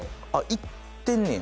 行ってんねんや。